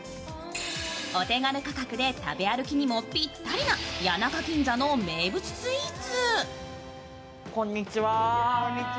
お手軽価格で食べ歩きにもぴったりな谷中銀座の名物スイーツ。